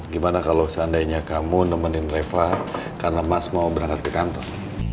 gimana kalau seandainya kamu nemenin reva karena mas mau berangkat ke kantor